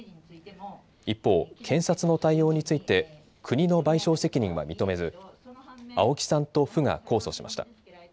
一方、検察の対応について国の賠償責任は認めず青木さんと府が控訴しました。